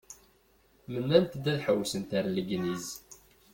Mennant-d ad ḥewwsent ar Legniz.